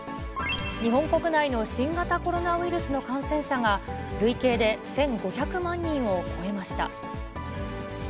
日本国内の新型コロナウイルスの感染者が、累計で１５００万人を超えました。